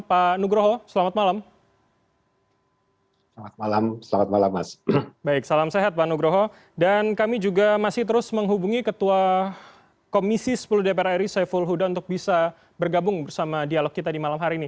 pak nugroho selamat malam